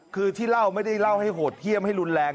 คือที่เล่าไม่ได้เล่าให้โหดเยี่ยมให้รุนแรง